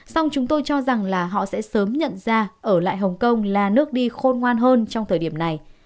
xong chúng tôi cho rằng là họ sẽ sớm nhận ra ở lại hồng kông là nước đi khôn ngoan hơn trong thời điểm này